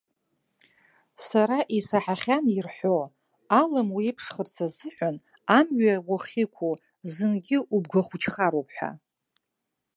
Сара исаҳахьан ирҳәо, алым уеиԥшхарц азыҳәан, амҩа уахьықәу, зынгьы убгахәыҷхароуп ҳәа.